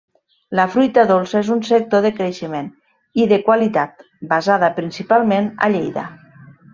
La fruita dolça és un sector de creixement i de qualitat, basada principalment a Lleida.